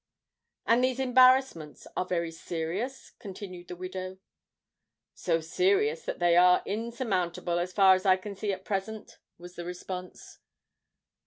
"And these embarrassments are very serious?" continued the widow. "So serious that they are insurmountable, as far as I can see at present," was the response.